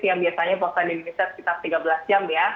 yang biasanya puasa di indonesia sekitar tiga belas jam ya